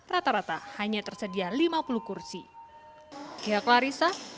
rata rata hanya tersedia lima puluh kursi